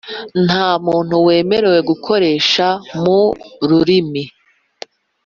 Nta muntu wemerewe gukoresha mu rurimi